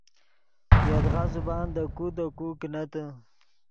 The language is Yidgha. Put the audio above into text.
یدغا زبان دے کو دے کو کینتے